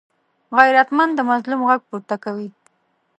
غیرتمند د مظلوم غږ پورته کوي